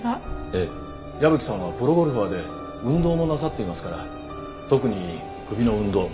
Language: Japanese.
ええ矢吹さんはプロゴルファーで運動もなさっていますから特に首の運動